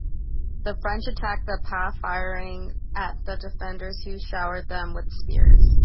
The French attacked the pa firing at the defenders, who showered them with spears.